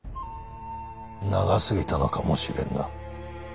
長すぎたのかもしれんな。